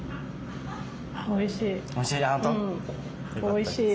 おいしい。